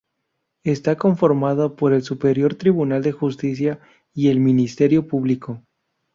Está conformado por el Superior Tribunal de Justicia y el Ministerio Público.